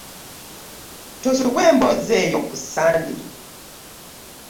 Tosubwa emboozi eyo ku ssande.